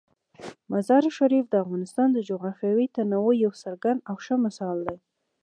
مزارشریف د افغانستان د جغرافیوي تنوع یو څرګند او ښه مثال دی.